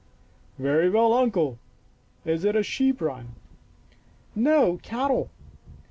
" Very well, Uncle. Is it a sheep run? "" No, cattle.